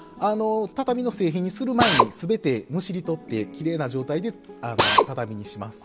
畳の製品にする前に全てむしり取ってきれいな状態で畳にします。